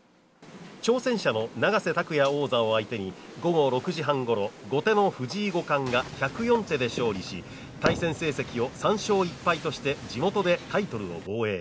挑戦者の永瀬拓矢オーダーを相手に午後６時半ごろ後手の藤井五冠が１０４で勝利し対戦成績を３勝１敗として地元でタイトルを防衛